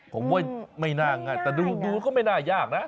ผมว่าไม่น่าง่ายแต่ดูก็ไม่น่ายากนะ